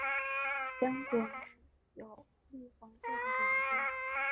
浆果内有绿黄色的种子。